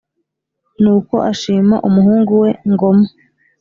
Nuko ashima umuhungu we Ngoma.